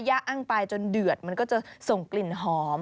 อ้างไปจนเดือดมันก็จะส่งกลิ่นหอม